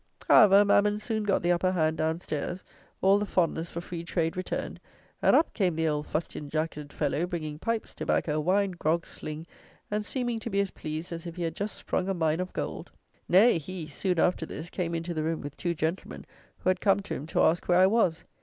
However, Mammon soon got the upper hand downstairs, all the fondness for "free trade" returned, and up came the old fustian jacketed fellow, bringing pipes, tobacco, wine, grog, sling, and seeming to be as pleased as if he had just sprung a mine of gold! Nay, he, soon after this, came into the room with two gentlemen, who had come to him to ask where I was.